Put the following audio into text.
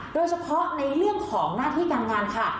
โดยเฉพาะในเรื่องของหน้าที่การงานค่ะ